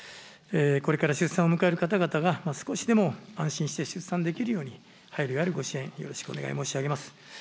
これから出産を迎える方々が、少しでも安心して出産できるように、配慮があるご支援、よろしくお願い申し上げます。